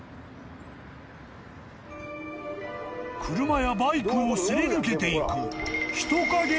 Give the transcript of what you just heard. ［車やバイクをすり抜けていく］